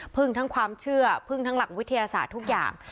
พึ่งทั้งความเชื่อพึ่งทั้งหลักวิทยาศาสตร์ทุกอย่าง